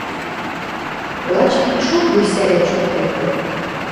Лач пикшок вуйсӓрӓ чӱктӹлтӹ.